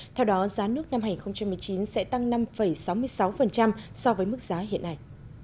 theo đó giá nước năm hai nghìn một mươi chín sẽ tăng năm sáu mươi sáu so với mức giá hiện nay